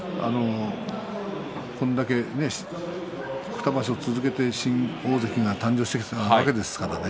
これだけ２場所続けて新大関が誕生したわけですからね。